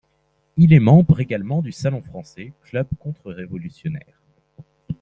Il est membre également du salon français, club contre-révolutionnaire.